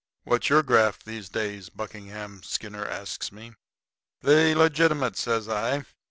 "What's your graft these days?" Buckingham Skinner asks me. "The legitimate," says I.